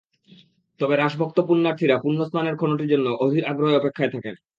তবে রাসভক্ত পুণ্যার্থীরা পুণ্য স্নানের ক্ষণটির জন্য অধীর আগ্রহে অপেক্ষায় থাকেন।